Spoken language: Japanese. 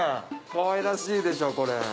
かわいらしいでしょこれ。